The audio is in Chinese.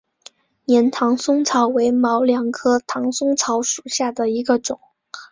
粘唐松草为毛茛科唐松草属下的一个种。